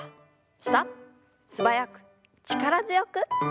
素早く力強く。